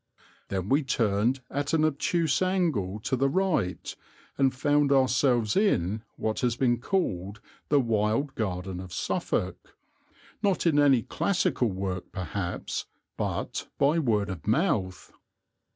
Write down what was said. Then we turned at an obtuse angle to the right and found ourselves in what has been called the wild garden of Suffolk, not in any classical work perhaps, but by word of mouth.